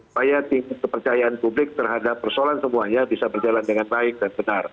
supaya tingkat kepercayaan publik terhadap persoalan semuanya bisa berjalan dengan baik dan benar